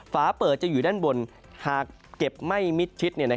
ฝาเปิดจะอยู่ด้านบนหากเก็บไม่มิดชิด